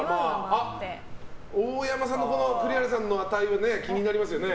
大山さんの書いた栗原さんの値が気になりますよね。